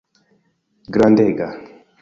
Grandega.